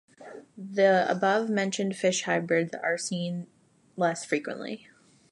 The above-mentioned fish hybrids are seen less frequently.